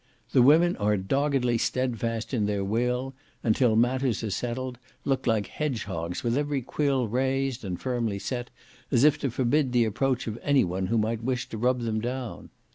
The women are doggedly stedfast in their will, and till matters are settled, look like hedgehogs, with every quill raised, and firmly set, as if to forbid the approach of any one who might wish to rub them down.